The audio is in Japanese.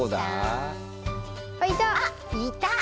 あっいた。